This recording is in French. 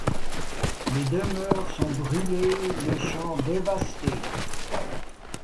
Les demeures sont brûlées, les champs dévastés.